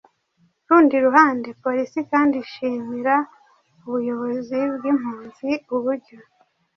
rundi ruhande Polisi kandi ishimira ubuyobozi bw’impunzi uburyo